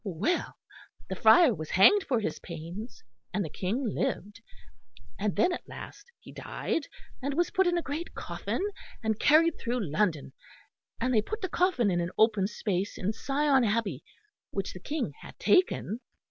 Well, the friar was hanged for his pains, and the King lived. And then at last he died, and was put in a great coffin, and carried through London; and they put the coffin in an open space in Sion Abbey, which the King had taken.